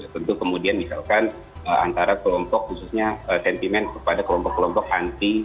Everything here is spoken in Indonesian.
tentu kemudian misalkan antara kelompok khususnya sentimen kepada kelompok kelompok anti